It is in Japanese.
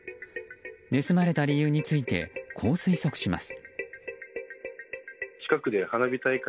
盗まれた理由についてこう推測します。